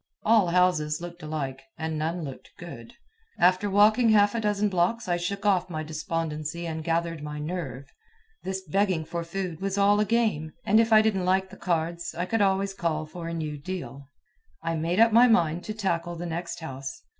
All houses looked alike, and none looked "good." After walking half a dozen blocks I shook off my despondency and gathered my "nerve." This begging for food was all a game, and if I didn't like the cards, I could always call for a new deal. I made up my mind to tackle the next house.